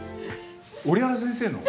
折原先生の？